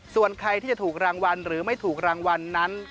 ส่วนใครที่จะถูกรางวัลหรือไม่ถูกรางวัลนั้น